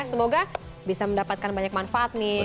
semoga bisa mendapatkan banyak manfaat nih